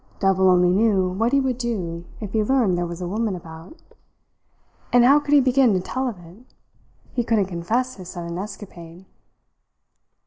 Devil only knew what he would do if he learned there was a woman about. And how could he begin to tell of it? He couldn't confess his sudden escapade.